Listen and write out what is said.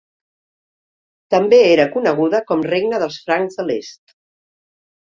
També era coneguda com a regne dels francs de l'est.